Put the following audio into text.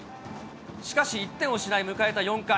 しかし、１点を失い迎えた４回。